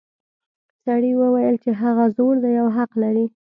سړي وویل چې هغه زوړ دی او حق لري.